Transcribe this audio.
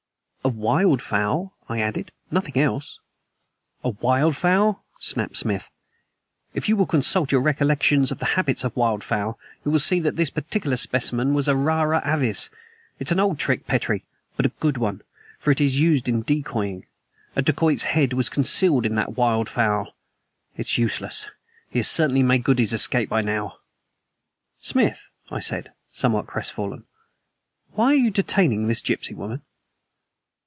"A wild fowl," I added; "nothing else." "A wild fowl," snapped Smith. "If you will consult your recollections of the habits of wild fowl you will see that this particular specimen was a RARA AVIS. It's an old trick, Petrie, but a good one, for it is used in decoying. A dacoit's head was concealed in that wild fowl! It's useless. He has certainly made good his escape by now." "Smith," I said, somewhat crestfallen, "why are you detaining this gypsy woman?"